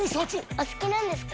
お好きなんですか？